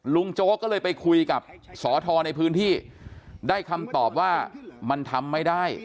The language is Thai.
โจ๊กก็เลยไปคุยกับสอทรในพื้นที่ได้คำตอบว่ามันทำไม่ได้